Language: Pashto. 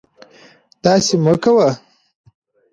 داسې مکوه